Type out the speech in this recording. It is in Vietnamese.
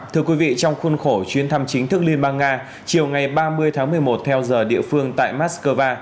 thưa quý vị trong khuôn khổ chuyến thăm chính thức liên bang nga chiều ngày ba mươi tháng một mươi một theo giờ địa phương tại moscow